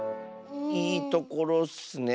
いいところッスね。